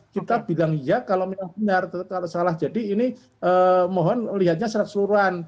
kita bilang iya kalau memang benar kalau salah jadi ini mohon lihatnya secara keseluruhan